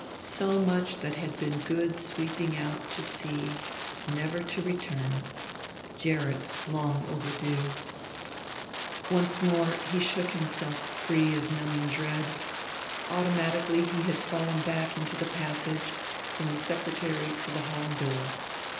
So much that had been good sweeping out to sea never to return....Gerrit long overdue. Once more he shook himself free of numbing dread; automatically he had fallen back into the passage from the secretary to the hall door.